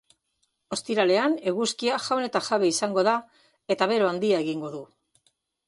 Ostiralean eguzkia jaun eta jabe izango da eta bero handia egingo du.